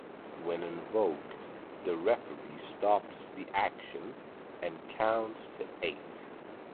When invoked, the referee stops the action and counts to eight.